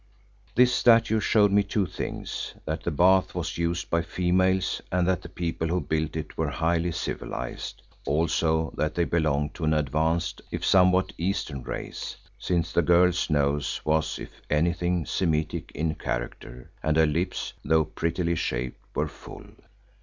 This statue showed two things, that the bath was used by females and that the people who built it were highly civilised, also that they belonged to an advanced if somewhat Eastern race, since the girl's nose was, if anything, Semitic in character, and her lips, though prettily shaped, were full.